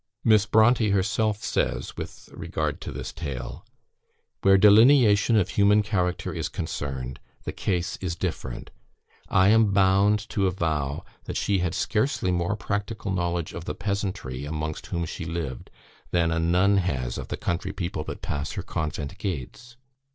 Miss Brontë herself says, with regard to this tale, "Where delineation of human character is concerned, the case is different. I am bound to avow that she had scarcely more practical knowledge of the peasantry amongst whom she lived, than a nun has of the country people that pass her convent gates.